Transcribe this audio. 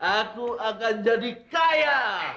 aku akan jadi kaya